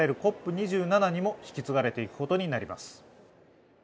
２７にも引き継がれていくことになります。